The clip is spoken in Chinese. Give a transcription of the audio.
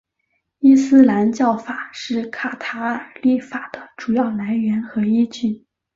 伊斯兰教法是卡塔尔立法的主要来源和依据。